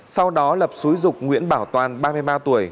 sau đó lập xúi dục nguyễn bảo toàn ba mươi ba tuổi